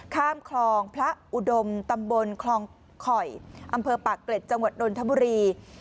ข้ามคลองพระอุดมตำบลคลองข่อยอำเภอปากเกร็ดจังหวัดนทบุรี